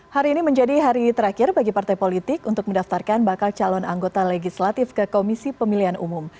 hari ini menjadi hari terakhir bagi partai politik untuk mendaftarkan bakal calon anggota legislatif ke komisi pemilihan umum